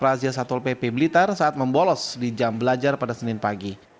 razia satpol pp blitar saat membolos di jam belajar pada senin pagi